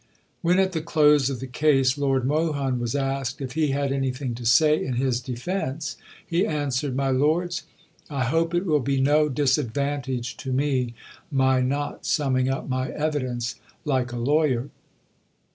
When at the close of the case Lord Mohun was asked if he had anything to say in his defence, he answered: "My lords, I hope it will be no disadvantage to me my not summing up my evidence like a lawyer.